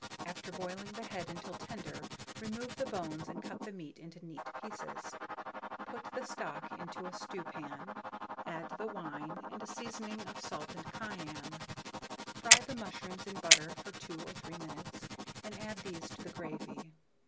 After boiling the head until tender, remove the bones, and cut the meat into neat pieces; put the stock into a stewpan, add the wine, and a seasoning of salt and cayenne; fry the mushrooms in butter for 2 or 3 minutes, and add these to the gravy.